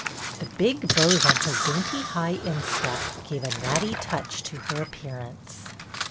The big bows on her dainty high instep gave a natty touch to her appearance.